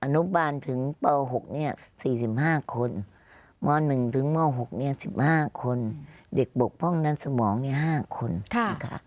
อนุบาลถึงเบา๖เนี่ย๔๕คนม๑ถึงเบา๖เนี่ย๑๕คนเด็กปกป้องด้านสมองเนี่ย๕คนค่ะ